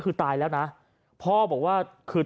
ก็ได้พลังเท่าไหร่ครับ